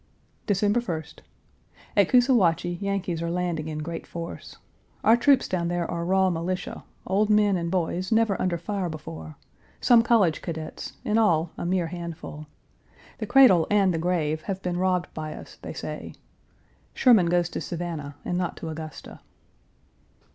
December 1st. At Coosawhatchie Yankees are landing in great force. Our troops down there are raw militia, old men and boys never under fire before; some college cadets, in all a mere handful. The cradle and the grave have been robbed by us, they say. Sherman goes to Savannah and not to Augusta.